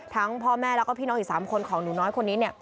พ่อแม่แล้วก็พี่น้องอีก๓คนของหนูน้อยคนนี้